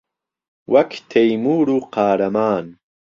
وەک تەيموور و قارهمان